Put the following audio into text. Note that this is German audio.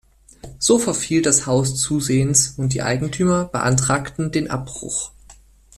So verfiel das Haus zusehends und die Eigentümer beantragten den Abbruch.